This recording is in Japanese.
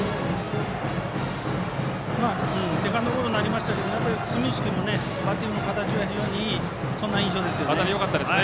セカンドゴロになりましたけど、住石君のバッティングの形は非常にいい、そんな印象です。